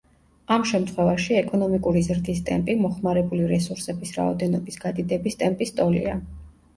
ამ შემთხვევაში ეკონომიკური ზრდის ტემპი მოხმარებული რესურსების რაოდენობის გადიდების ტემპის ტოლია.